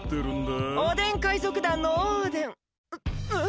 おでん海賊団のオーデンえっ！？